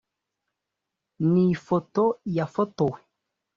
ni ifoto yafotowe